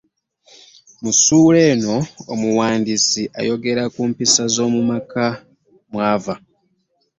Mu ssuula eno omuwandiisi ayogera ku mpisa z’omumaka mw’ava.